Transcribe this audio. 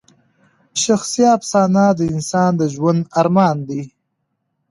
شخصي افسانه د انسان د ژوند ارمان دی.